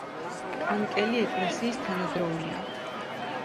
კანკელი ეკლესიის თანადროულია.